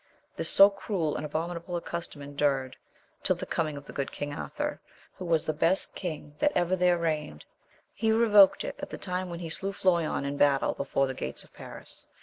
This so cruel and abominable a custom endured, till the coming of the good King Arthur, who was the AMADIS OF 6AU best king that ever there reigned, . VTlie revoked it at the time when he slew Floyon in battle, before the gates of Paris.